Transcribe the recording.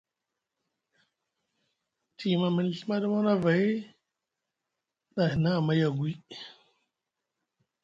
Te yima miŋ Ɵimaɗi Manavay na a hina amay agwi.